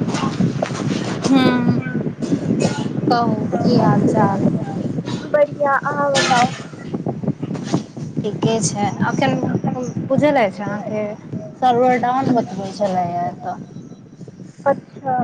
[unintelligible] हूॅं [inaudible] कहू की हाल चाल? बढ़िआं, अहाँ बताउ? ठीके छै, अखन बुझल अछि अहाँके? सर्वर डाउन बतबै छलैए एत। अच्छा।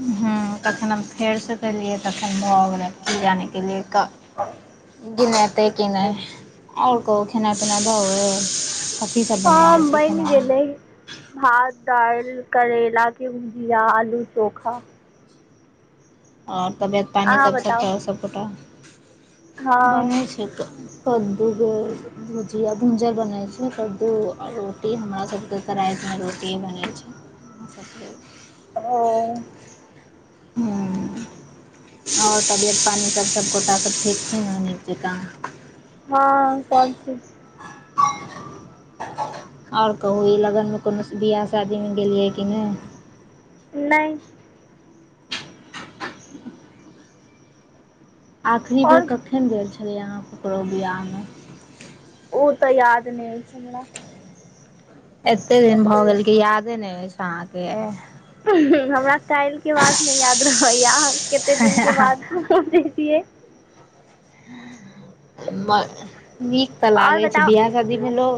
हँ तखन हम फेर सँ कलियै तखन भ गेलै, कि जानै गेलियै त। गिनेतै कि नै, आओर कहु खेनाइ पीनाइ भ गेल? हँ बनि गेलै। भात दालि करैला के भुजिया, आलू चोखा। आओर तबियत पानी सब सबटा सबगोटा? [inaudible] बनै छै क कद् [unintelligible] भुजिया। भुजिया बनै छै। कद्दू आ रोटी हमरा सबके त रातिमे रोटीए बनै छै। [unintelligible] ओ। [unintelligible] आओर तबियत पानी सब सबगोटाके ठीक छी ने नीक जकाँ? हँ सब ठीक। आओर कहु ई लगनमे कोनो बिआह शादीमे गेलियै कि नै? नै। आखिरी बेर कखन गेल छलियै, अहाँ ककरो बियाह में? उ त याद नै अछि हमरा। एते दिन भ गेल कि यादे नै अछि अहाँके? हमरा काल्हिके बात नै याद रहैया, अहाँ कते दिनके बात [unintelligible] [unintelligible] नीक त लागै छै बियाह शादी मे लोक,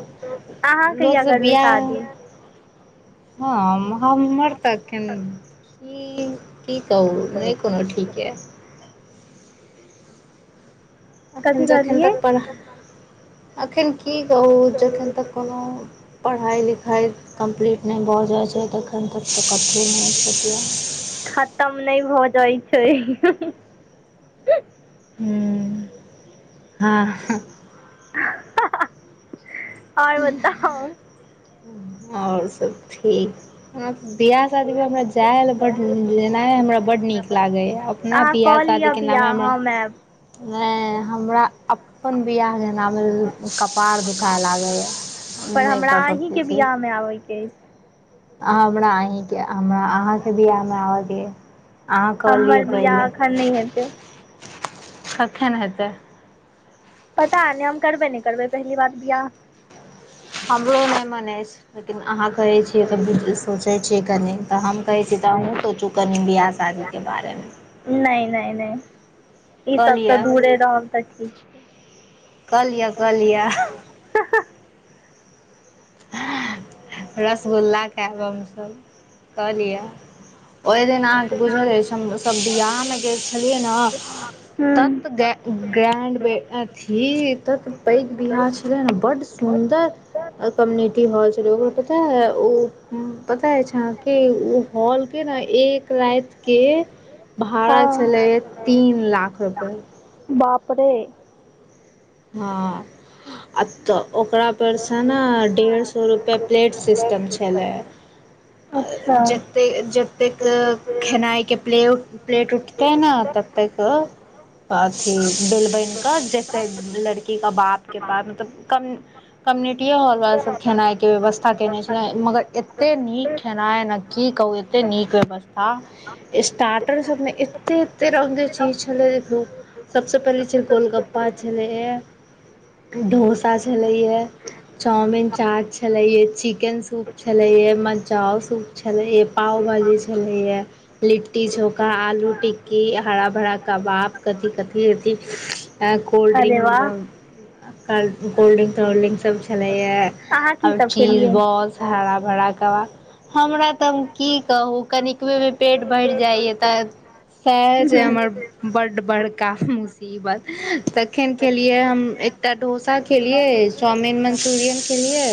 [inaudible] लोक सब बियाह [inaudible] हम हम्मर त अखैन [inaudible] ई की कहु नै कोनो ठीक या। एखन जखन तक पढ़ा [inaudible] एखन की कहू जखन तक कोनो पढ़ाइ लिखाइ कम्प्लीट नै भ जाइ छै तखन तक त कतौ नै [unintelligible] खतम नै भ जाइ छै? हुं [inaudible] हँ-हँ हा-हा आओर बताउ? आओर सब ठीक। बियाह शादीमे हमरा जाइ ले बड नीक, नै हमरा बड नीक लागैया। अहाँ क लिअ वियाह, हम ऐब। नै हमरा अपन बिआह जेना भेल कपार दुखाए लागैया, हम नै क सकै बियाह मे आबैके अइ। आ हमरा अहींके, हमरा अहाँके बिआहमे आबे अहाँ क लिअ पहिले। एखन नै हेतै? कखन हेतै? पता नै हम करबे नै करबै। पहली बात बियाह हमरो नै मन ऐछ लेकिन अहा? कहे छियै तऽ सोचै छियै कनि, तऽ हम कहै छीयै तऽ अहुं सोचु कनी बीयाह शादी केबारे में। नै- नै इ सब से दूरै रहब तऽ ठीक। कऽ लीया कऽ लीया। रसगुल्ला खैब हमसब कऽ लिया। ओ दिन आहांके बुझल अइछ, हम सब बिआहमे गेल छलियै नऽ तत गैर ग्रैण्ड बै अथी तत पैघ बीयाह छैलै ना, बड सुन्दर [unintelligible] कि भऽ गेल छलै है, ओकरा पता अय, ओ पता अय अहांके ओ हॉल के ने एक राइत के भाड़ा छलैहे तीन लाख रुपया। बाप रे। हां अ तऽ ओकरा। पर से ना डेढ़ सो रुपया प्लेट सिस्टम छैलै। जतेक- जतेक खेनाइके प्लेट ज्ञतेक प्लेट उठते है ना, ततैक अथि बील बैन क जेतै। लड़की के बाप के पास, कम्युनिटी हॉल वाला सब खेनाइ के व्यवस्था केयने छलै, मगर की कहु की एतेक नीक खेनाय एत नीक व्यवस्था। स्टार्टर सब न ए एतेक- ऐतक चीज छलै, सब से पहिले गोलगप्पा छ़ैलै। डोसा छलै या। चाउमिन चाट छलै हे, चिकेन सूप छलै हे, मंचाउ सूप छलै, पाव भाजी छलैया। लिट्टी चोखा, आलू टिक्की, हरा भरा कबाब, कथी- कथी अथी। कोल्ड्रिंक- कोल्ड्रिंक -तोल्ड्रिंक सब छलै ये। आर चीज बाॅलस हरा- भरा कबाब। हमरा त की कहू कनिकबे में पेट भरि जाय तऽ सैह जे हमरा बड्ड बड़का मुसीबत। तखन खेलीय हम एकटा डोसा खेलियै, चाउमिन मंचुरियन खेलियै,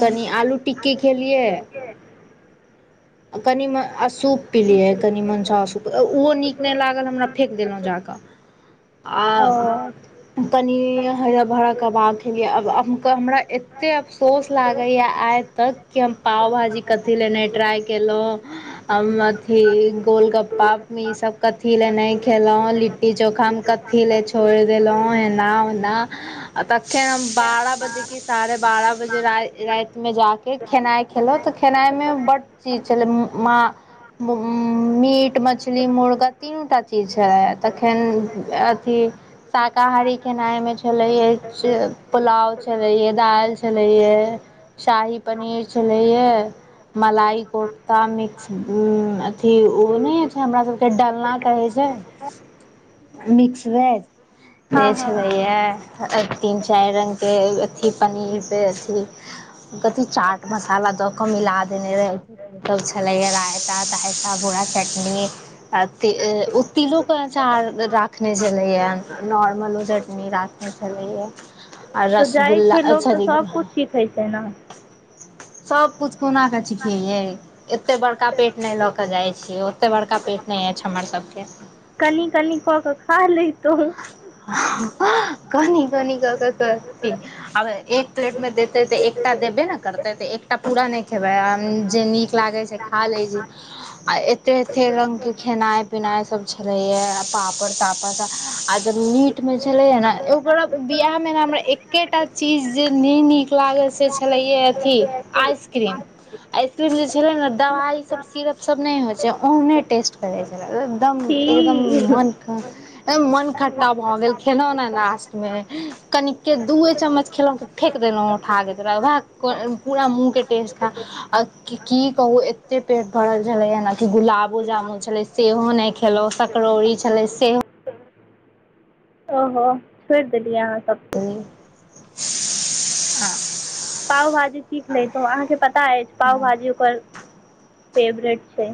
कनि आलू टिक्की खेलियै। आ कनि सूप पिलियै, कनि मंसाउ सूप, ओहो नीक नै लागल हमरा फेक देलीयै जा के। आ। पनीर हरा-भरा कबाब खेलियै, आब हमरा एतेक अफसोस लागैया आय तब कि हम पाव भाजी कथी ले नै ट्राइ केलहुॅँ। हम अथि गोलगप्पा कथी ले न खेलौं लट्टी चोखा सब। कथि ले हम छोड़ देलहुं, एना ओना आ तखन हम बारह बजे के साढ़े बारह बजे रैइत में जाके खेनाइ खेलों, त खेनाई में बड की छलै माँ मीट, मछली, मुर्गा तीनू टा चीज छलै, तखन अथी शाकाहारी खेनाइ मैं छलै हे पूलाव छलै हे दाल छलै हे। शाही पनीर छलैय हे, मलाई कोफ्ता मिक्स अथी ओ नहि छै हमरा सबके डलना कहै छै। ह मिक्स वेज। से छलैए हे, तीन चारि रंग के अथि पनीर से अथि कथि चाट मसाला दऽ के मिला देने रहै। सब छलैए रायता तायता भूरा चटनी आ त ओ तिलो क अचार राखने छल लै। नॉर्मलो चटनी राख छल आ रसगुल्ला छैलै। चीख ओइत न सबकिछु कोना कऽ चिखयै एतेक बड़का पेट नहि लऽ कऽ जाइत छियै ओतेक बड़का पेट नहि अछि हमर सभके कनी कनी को क खालेतौ कनी कनी क क कतैक आब एक प्लेट मे देतेै ते एकटा देबे ने करते त एकटा पूरा नहि खेबै जे नीक लागै छै खा लै छी आ एते एते रंगके खेनाइ पिनाइ सब छलैए आ पापड़ तापड़ आ जब मीट मे छलै हे ने ओकरा बियाह मे ने हमरा एकेटा चीज जे नहि नीक लागल से छलैयए अथी आइस्क्रीम। आइस्क्रीम जे छले ने दवाई सब सिरप सब ने होय छै ओहिने टेस्ट करै छल एकदम एकदम मोनके ए मोन खट्टा भ गेल खेलौं ने लास्ट मे कनिक के दूए चम्मच खेलों फेेक देलहुँ उठाके तोरा भाग पूरा मूँहके टेस्ट खा आ कि की कहू एते पेट भरल छलै ह ने कि गुलाबो जामुन छलै सेहो नहि खेलहुँ सकरौरी छलै से ओहो छोड़ि देलियै अहाँ सबकिछु [inaudible] पाव भाजी चीख लतहुँ अहाँके पता अछि पाव भाजी ओकर फेवरेट छै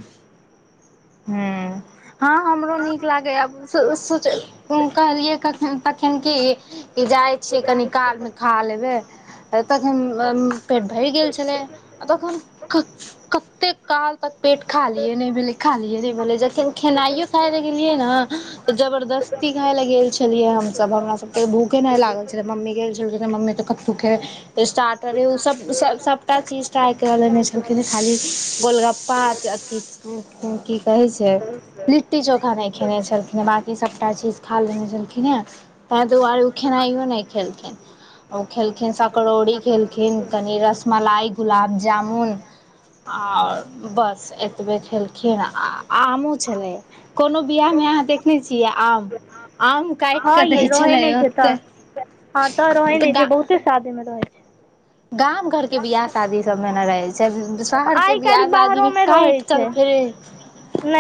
हू। हँ हमरो नीक लागेया सोच कहलियै कखन तखेन की कि जाइ छि कनि कालमे खा लेबै। तखन पेट भरि गेल छलै आ तखन क कतेक काल त पेट खालिए नहि भेलै खालिए नहि भेलै जखन खेनाइयो खाइ लए गेलियै ने जबरदस्ती खाय ले गेल छलिये हमस हमरा सब के भूखे न लागल मम्मी गेल छलखिन मम्मी तऽ कतूहके स्टार्टरे ओ सब सभटा चीज टा्रइ कर लेने छलखिन खाली गोलगप्पा अथ तू तू की कहै छै। लिट्टी चोखा नहि खेने छलखिन हेँ बाँकी सभटा चीज खा लेने छलखिन हेँ। ताहि दुआरे ओ खेनाइयो नहि खेलखिन ओ खेलखिन सब परौड़ी केलखिन कनि रसमलाई गुलाब जामुन आर बस एतबे खेल खेर आमो छलै कोनो बियाहमे अहाँ देखने छियै आम आम काटि कऽ दै छलै ओते। हँ तऽ रहे ने छै बहुते साादी मे रहै छै। गामव घर के बियाह शादी सब मे ने रहै छै। [unintelligible] शहरके बियाह शादीमे काटिकऽ फेरे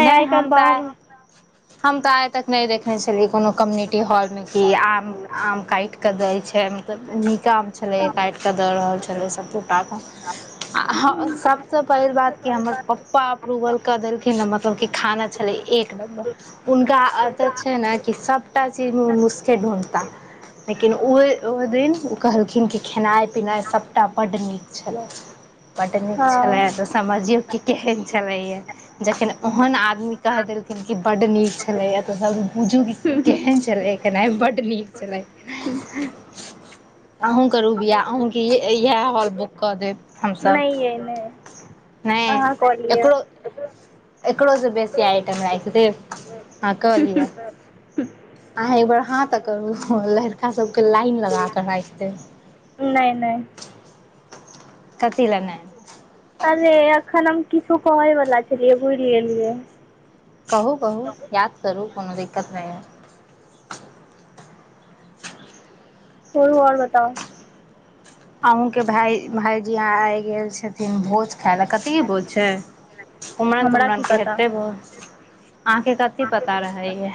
नहि हम तऽआय हम तऽ आय तक नहि देखने छलियै कोनो कम्युनिटी हॉलमे कि आम आम काटिकऽ दै छै मतलब नीकाम छलै काटिकऽ दऽ रहल छलै सभटाके आ सभ सब सँ पहिल बात की हमर पप्पा अप्रूवल कऽ देलखिन मतलब की खाना छलै एक नम्बर उनका आदत छैय ने कि सभटा चीजमे ओ नुस्के ढूँढता। लेकिन ओ ओय दिन ओ कहलखिन कि खेनाइ पिनाइ सबटा बड नीक छले- बड नीक छले समझियो की केहन छलैया। जखैन ओहन आदमी कह देलखिन कि बड्ड नीक छलैया त सब बुझू की केहन छलै खेनाय बड्ड नीक छलै। अहूँ करू बियाह अहूँके ए यएह हॉल बुक कऽ देब हमसभ। आहाँ क लियऽ। एकरो से बेसी आइटम राइख देब आहाँ क लियऽ। आहाँ एकबेर हां त करू लड़का सबके लाइन लगा क राइख देब। नय- नय। कथी ले नै। अरे अखन हम किछो कहय वला छलियै भुइल गेलियै। कहू- कहू याद करू कोनो दिक्कत नय अय। छोरू और बताउ। अहुँ के भाय भायजी आय गेल छथिन भोज खाय लऽ कथिके भोज छैय कुमरन तुमरन के हेतै भोज, आहाँके क की पता रहैये।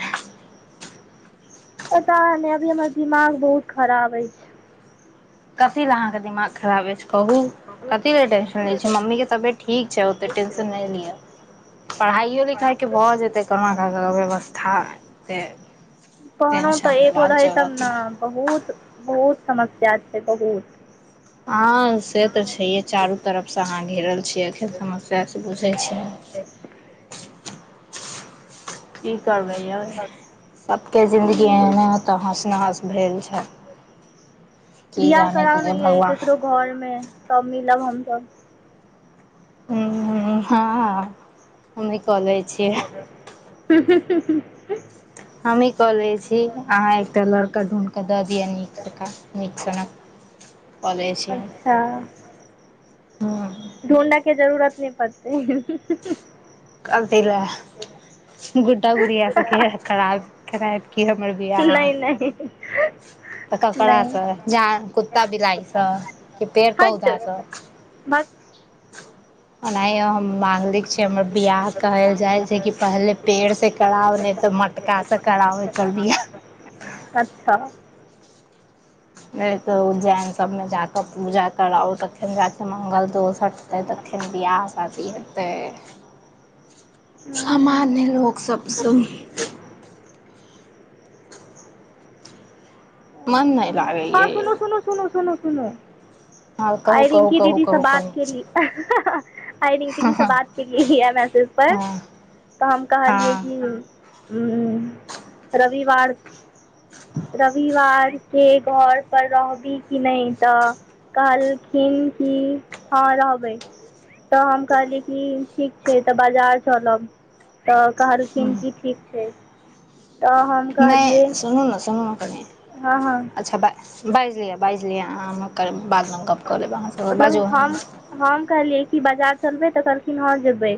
पता नै अभी हमर दिमाग बहुत खराब अइछ। कथी लए अहाँके दिमाग खराब अइछ कहू। कथी ल टेंशन लै छी, मम्मीके तबियत ठीक छैय ओते टेंशन नै लियऽ पढ़ाई पढ़इयो लिखाइके भ जेतै कोना क क व्यवस्था से टेंशन लेबाक जरूरत नै। बहुत-बहुत समस्या छैय बहुत हँ से त छैहे चारू तरफसँ अहाँ घेरल छियै अखैन समस्या से बुझै छियै। की करबै यौ। सभके जिन्दगी एहने तहस नहस भेल छैन। बियाह कराउ न यै केकरो घरमे तब मिलब हमसभ। ह- हँ हमी को लै छी। ह ह ह हमी क लै छी अहाँ एकटा लड़का ढूढ कऽ दऽ दिअ नीक जँका नीक सनक। कऽलै छियौ। तब। ढोल लय के जरूरत नै पड़तै। कथी लेऽ। गुड्डा गुड़िया से किये कराब करैब की हमर बियाह। नै- नै। त ककड़ा से जा कुत्ता बिलाई स कि पेड- पौधा स। ओनाहियो हम मांगलिक छैय हमर बियाह कहल जाइ छैय कि पहले पेड़ से कराउ नै त मटका से कराउ एकर बियाह। अच्छा। नै त उज्जैन सबमे जाकऽ पूजा कराउ तख तखन जाके मङ्गल दोष हटतै तखन बियाह शादी हेतै। सामान्य लोकसभ स। [inaudible] मन नहि लागे हँ सुनू- सुनू -सुनू -सुनू -सुनू। आइ रिंकी दीदी सँ बात केलीय हँ- हँ। आइ रिंकी दीदी से बात केलियै, यैहै मैसेज पर तऽ हम कहलियै कि रविवार -रविवार। के घर पर रहबी कि नहि तऽ कहलखिन कि हँ रहबै। तऽ हम कहली कि, ठीक छै तऽ बाजार चलब। तऽ कहलखिन की, ठीक छै, तऽ हम नै सुनू ना सुनू ना कनि हँ- हँ। अच्छा बाइज लिअऽ, बाइज लिअऽ अहाँकर बादमें मतलब हम- हम कहलियै कि, बाजार चलबै तऽ कहलखिन हँ जेबै।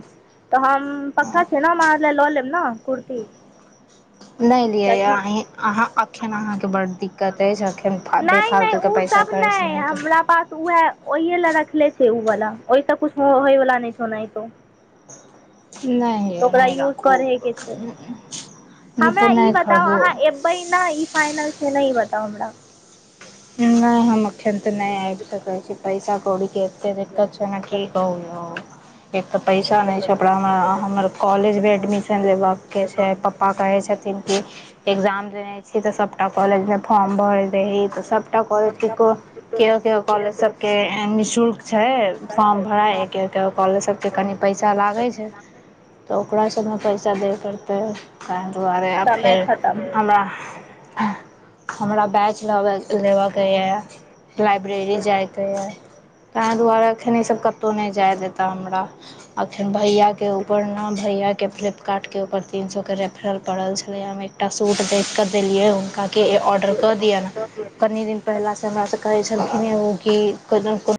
तऽ हम पक्का छै ने, हम अहाँ लए लऽ लेब ने कुर्ती। नै लियऽ अहां अखैन अहाँके बड्ड दिक्कत अइछ, अखन फा- दै फालतूके पैसा खर्च नै कर पास उएह ओहिे ले रखले छै उ वाला, ओहिस कुछ होय वाला नहि छौ ओनैहितो। नै ये नै राखू तऽ नहि खरीदू पहिने ई फाइनल छै ने ई बताउ हमरा। नै हम अखन ते नै आबि सके छी, पैसा कौड़ी एतेक दिक्कत छै ने कि कहु तो। एक तऽ पैसा नहि छै, ओ पर हमर कॉलेज मे एडमिशन लेबा के छै, प पप्पा कहै छथिन कि, एकग्जाम देने छी तऽ सभटा कॉलेजमे फॉर्म भरि दही, तऽ सभ कॉलेज के केओ -केओ कॉलेज सब के निःशुल्क छै फॉर्म भराई। कॉलेज सबके कनि पैसा लागै छै। तऽ ओकरा सबमे पैसा दै पड़तै। ताहि दुआरे आ फेर, हमरा -हमरा बैच लबै लेबऽ के यऽ लाइब्रेरी जाइके यऽ। तैं दुआरे एखन ईसभ कतहुँ नहि जाय देता हमरा। अखन भैयाके ऊपर ने, भैयाके फ्लिपकार्टके ऊपर तीन सए के रेफरल पड़ल छलै हमे। एकटा सूट देख कऽ देलियै हुनका कि ऑर्डर कऽ दियऽ ने कनी दिन पहिले से हमरासे कहै छलखिन ओ कि कोनदन -कोनदन